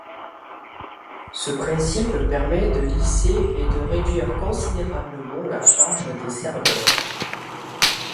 Ce principe permet de lisser et de réduire considérablement la charge des serveurs.